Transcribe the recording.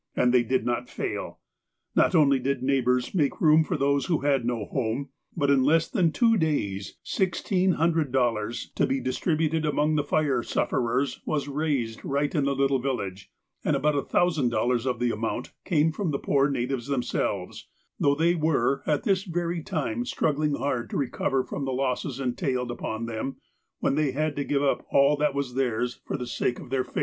And they did not fail. Not only did neighbours make room for those who had no home ; but in less than two days $1,600, to be distributed among the fire sufferers, was raised right in the little village, and about $1,000 of the amount came from the poor natives themselves, though they were at this very time struggling hard to recover from the losses entailed upon them when they had to give up all that was theirs for the sake of their faith.